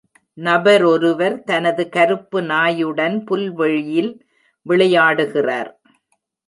நபரொருவர் தனது கருப்பு நாயுடன் புல்வெளியில் விளையாடுகிறார்